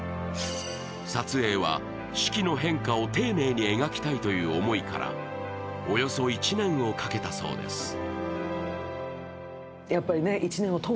撮影は、四季の変化を丁寧に描きたいという思いからおよそ１年をかけたそうです。